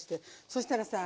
そしたらさ